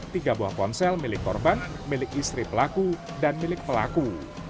tiga buah ponsel milik korban milik istri pelaku dan milik pelaku